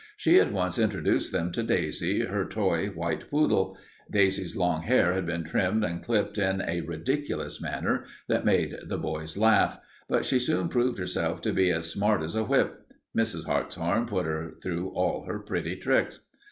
She at once introduced them to Daisy, her toy white poodle. Daisy's long hair had been trimmed and clipped in a ridiculous manner that made the boys laugh, but she soon proved herself to be as smart as a whip. Mrs. Hartshorn put her through all her pretty tricks.